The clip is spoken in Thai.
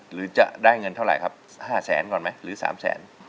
หรือจะได้เงินเท่าไหร่ครับ๕แสนก่อนไหมหรือ๓แสน